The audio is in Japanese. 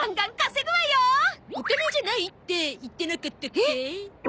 お金じゃないって言ってなかったっけ？